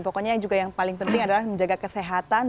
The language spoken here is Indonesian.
pokoknya juga yang paling penting adalah menjaga kesehatan